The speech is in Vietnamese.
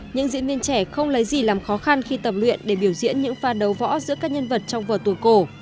những diễn viên trẻ không lấy gì làm khó khăn khi tập luyện để biểu diễn những pha đấu võ giữa các nhân vật trong vở tuồng cổ